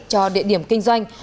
cho địa điểm kinh doanh